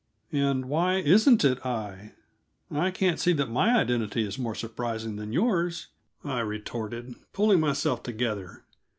"And why isn't it I? I can't see that my identity is more surprising than yours," I retorted, pulling myself together.